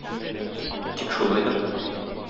Тик шулай да...